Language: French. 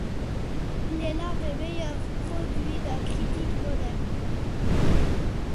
Il est l'un des meilleurs produits de la critique moderne.